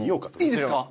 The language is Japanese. いいですか！？